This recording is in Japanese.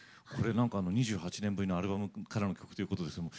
これ２８年ぶりのアルバムからの曲ということです。